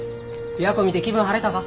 琵琶湖見て気分晴れたか？